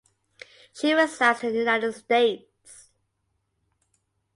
She resides in the United States.